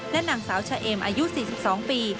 และหนังสาวเฉอมอายุ๔๒ปี